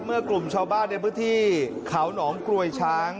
เมื่อกลุ่มชาวบ้านในพื้นที่เขาหนองกลวยช้าง